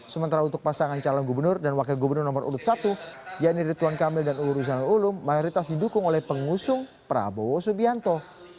sementara untuk pasangan calon gubernur dan wakil gubernur nomor urut satu yanni rituan kamil dan uruzanul ulum mayoritas didukung oleh pengusung prabowo subianto